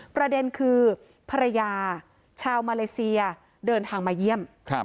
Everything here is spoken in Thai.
ประเด็นคือภรรยาชาวมาเลเซียเดินทางมาเยี่ยม